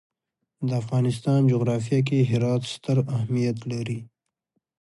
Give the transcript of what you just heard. د افغانستان جغرافیه کې هرات ستر اهمیت لري.